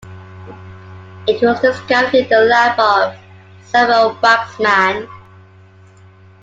It was discovered in the lab of Selman Waksman.